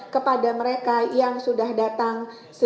kepada mereka yang sudah datang